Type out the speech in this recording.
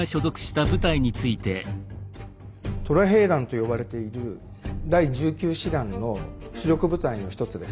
虎兵団と呼ばれている第１９師団の主力部隊の一つです。